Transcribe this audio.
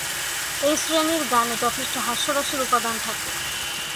এই শ্রেণীর গানে যথেষ্ট হাস্যরসের উপাদান থাকে।